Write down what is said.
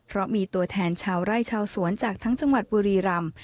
เพราะมีตัวแทนชาวไร่ชาวสวนจากทั้งจังหวัดบุรีรำ